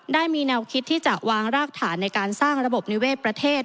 ได้มีแนวคิดที่จะวางรากฐานในการสร้างระบบนิเวศประเทศ